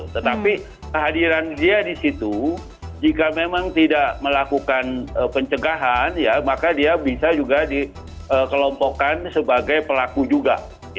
tetapi kehadiran dia di situ jika memang tidak melakukan pencegahan ya maka dia bisa juga dikelompokkan sebagai pelaku juga